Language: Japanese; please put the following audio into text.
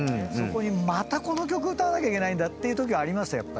そこにまたこの曲歌わなきゃいけないっていうときはありました。